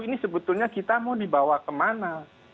ini sebetulnya kita mau dibawa kemana